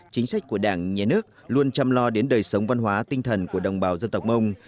chính sách của đảng nhà nước luôn chăm lo đến đời sống văn hóa tinh thần của đồng bào dân tộc mông